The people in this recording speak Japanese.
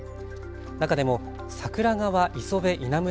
中でも櫻川磯部稲村